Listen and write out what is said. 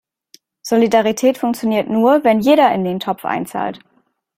Solidarität funktioniert nur, wenn jeder in den Topf einzahlt.